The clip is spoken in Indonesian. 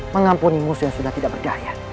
mengampuni musik yang sudah tidak berdaya